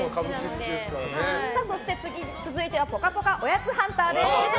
そして、続いてはぽかぽかおやつハンターです。